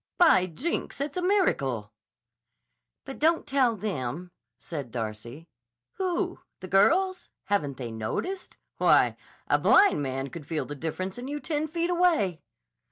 By Jinks, it's a miracle!" "But don't tell them," said Darcy. "Who? The girls? Haven't they noticed? Why, a blind man could feel the difference in you ten feet away."